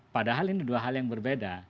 padahal ini dua hal yang berbeda